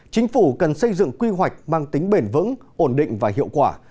chính phủ cần xây dựng quy hoạch mang tính bền vững ổn định và hiệu quả